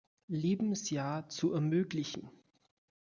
Lebensjahr zu ermöglichen.